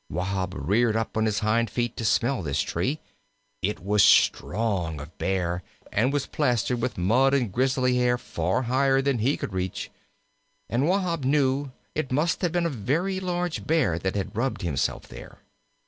Wahb reared up on his hind feet to smell this tree. It was strong of Bear, and was plastered with mud and Grizzly hair far higher than he could reach; and Wahb knew that it must have been a very large Bear that had rubbed himself there.